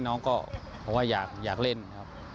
น้องก็บอกว่าอยากเล่นครับ